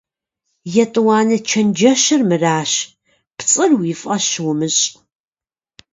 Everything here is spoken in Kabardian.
ЕтӀуанэ чэнджэщыр мыращ: пцӀыр уи фӀэщ умыщӀ.